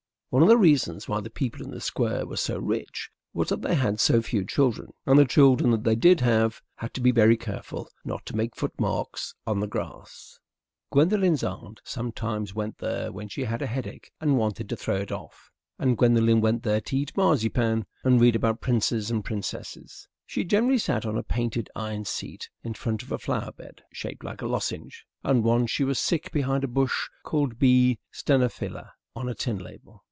One of the reasons why the people in the Square were so rich was that they had so few children; and the children that they did have had to be very careful not to make foot marks on the grass. Gwendolen's aunt sometimes went there when she had a headache and wanted to throw it off; and Gwendolen went there to eat marzipan and read about Princes and Princesses. She generally sat on a painted iron seat in front of a flower bed shaped like a lozenge, and once she was sick behind a bush called B. stenophylla on a tin label.